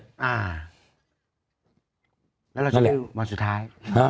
อ่าแล้วเราจะรู้วันสุดท้าย